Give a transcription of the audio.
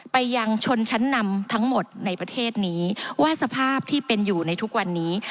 ไปยังชนชั้นนำทั้งหมดในประเทศนี้ว่าสภาพที่เป็นอยู่ในทุกวันนี้